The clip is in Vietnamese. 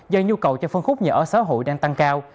do nhu cầu cho phân khúc nhà ở xã hội đang tăng cao